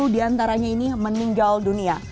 empat puluh diantaranya ini meninggal dunia